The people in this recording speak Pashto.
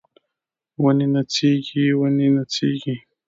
ونې نڅیږي ونې نڅیږي